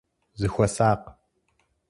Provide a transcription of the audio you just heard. Зыхуэсакъ!